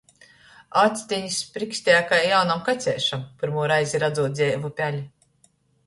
Actenis sprikstēja kai jaunam kačeišam, pyrmū reizi radzūt dzeivu peli.